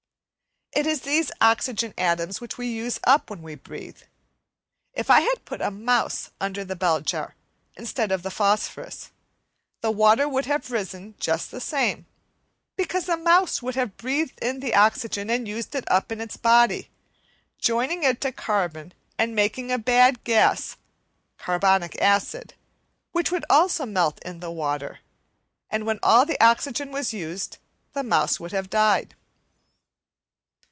It is these oxygen atoms which we use up when we breathe. If I had put a mouse under the bell jar, instead of the phosphorus, the water would have risen just the same, because the mouse would have breathed in the oxygen and used it up in its body, joining it to carbon and making a bad gas, carbonic acid, which would also melt in the water, and when all the oxygen was used, the mouse would have died.